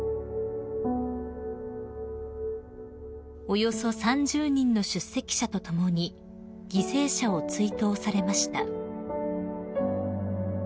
［およそ３０人の出席者と共に犠牲者を追悼されました］